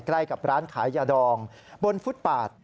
ใกล้กับร้านขายยาดองบนฟุตปาด